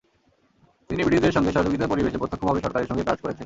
তিনি ব্রিটিশদের সঙ্গে সহযোগিতার পরিবেশে প্রত্যক্ষভাবে সরকারের সঙ্গে কাজ করেছেন।